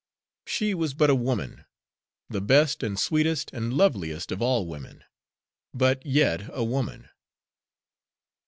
She was but a woman, the best and sweetest and loveliest of all women, but yet a woman.